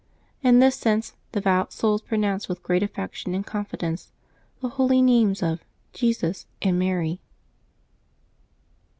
In this sense devout souls pronounce, with great affection and con fidence, the holy names of Jesus and Mary.